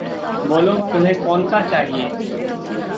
बोलो तुम्हे कौनसा चाहिए।